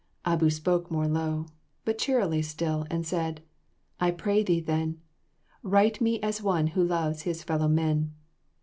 Abou spoke more low, But cheerily still, and said, "I pray thee then Write me as one who loves his fellow men."